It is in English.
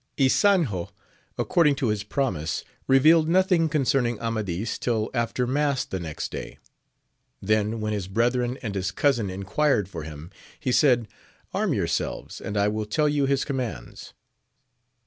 SANJO, according to his promise, revealed nothing concerning Amadis till after mass the next .day. Then, when his brethren and his cousin enquired for him, he said. Arm your selves, and I will tell you his commands.